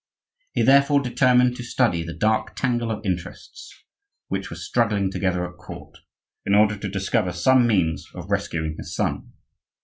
He therefore determined to study the dark tangle of interests which were struggling together at court in order to discover some means of rescuing his son.